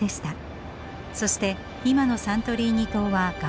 そして今のサントリーニ島は外輪山でした。